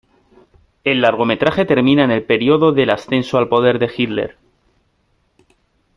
El largometraje termina en el periodo del ascenso al poder de Hitler.